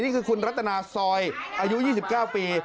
นี่คือคุณรัตนาซอยอายุ๒๙ปี